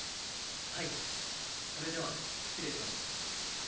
はいそれでは失礼します